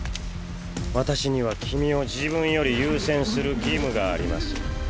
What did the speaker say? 私には君を自分より優先する義務があります。